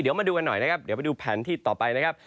เดี๋ยวมาดูกันหน่อยนะครับเดี๋ยวไปดูแผนที่ต่อไปนะครับ